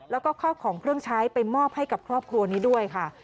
แล้วก็ข้าวของเครื่องใช้ไปมอบให้กับครอบครัวนี้ด้วยค่ะ